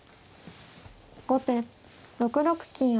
後手６六金上。